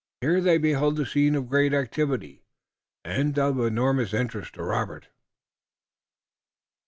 Here they beheld a scene of great activity and of enormous interest to Robert.